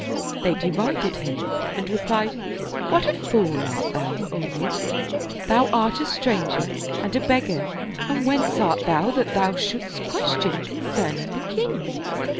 They derided him and replied, " What a fool art thou, O youth I Thou art a stranger and a beggar, and whence art thou that thou shouldst question concerning the king?"